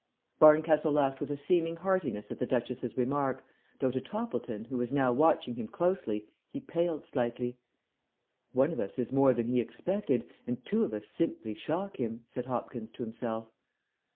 Barncastle laughed with a seeming heartiness at the duchess's remark, though to Toppleton, who was now watching him closely, he paled slightly. "One of us is more than he expected, and two of us simply shock him," said Hopkins to himself.